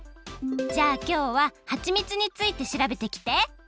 じゃあきょうははちみつについてしらべてきて！